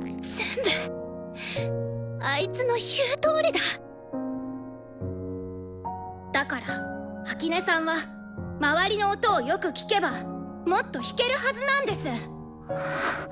全部あいつの言うとおりだだから秋音さんは周りの音をよく聴けばもっと弾けるはずなんです。